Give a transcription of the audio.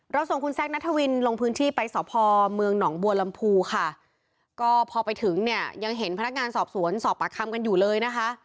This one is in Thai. ส่งคุณแซคนัทวินลงพื้นที่ไปสพเมืองหนองบัวลำพูค่ะก็พอไปถึงเนี่ยยังเห็นพนักงานสอบสวนสอบปากคำกันอยู่เลยนะคะ